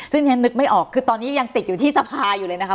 ซึ่งฉันนึกไม่ออกคือตอนนี้ยังติดอยู่ที่สภาอยู่เลยนะคะ